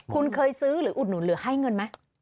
คุณเคยซื้อหรืออุดหนุนหรือให้เงินไหม